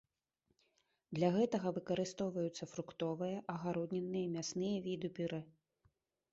Для гэтага выкарыстоўваюцца фруктовыя, агароднінныя, мясныя віды пюрэ.